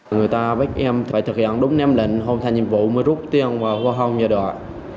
người ta bắt em phải thực hiện đúng nêm lệnh hồn thành nhiệm vụ mới rút tiền vào hoa hồng gia đoạn